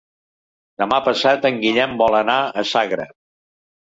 Demà passat en Guillem vol anar a Sagra.